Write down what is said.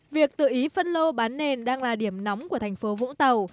việc tự ý phân lô bán nền đang là điểm nóng của thành phố vũng tàu